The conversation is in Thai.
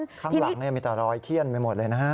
ข้างหลังมีแต่รอยเขี้ยนไปหมดเลยนะฮะ